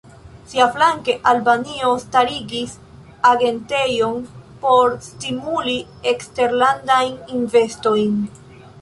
Siaflanke, Albanio starigis agentejon por stimuli eleksterlandajn investojn.